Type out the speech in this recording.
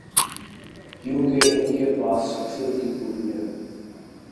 کیونکہ ان کے پاس شخصیت کی خوبی ہے۔